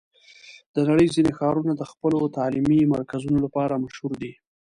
د نړۍ ځینې ښارونه د خپلو تعلیمي مرکزونو لپاره مشهور دي.